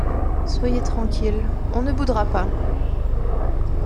Soyez tranquille… on ne boudera pas !